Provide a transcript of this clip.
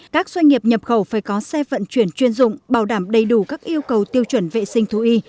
các doanh nghiệp nhập khẩu phải có xe vận chuyển chuyên dụng bảo đảm đầy đủ các yêu cầu tiêu chuẩn vệ sinh thú y